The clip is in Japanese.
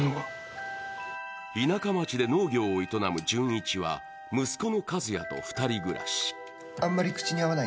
田舎町で農業を営む淳一は息子の一也と２人暮らし。